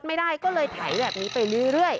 ไม่ได้ก็เลยไถแบบนี้ไปเรื่อย